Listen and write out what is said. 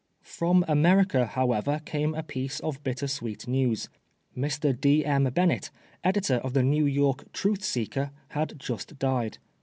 SVom America, however, came a piece of bitter sweet news. Mr. D. M. Bennett, editor of the New York Trufhseeker^ had just died.